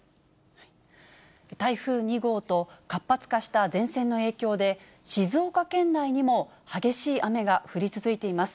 台風２号と活発化した前線の影響で、静岡県内にも激しい雨が降り続いています。